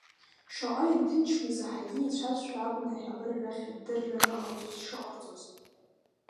Шаҟа иҭынчмыз аҳагьы еицәазшәа акәын аиҳабыра рахь адырра аныҟарҵоз ишыҟарҵоз.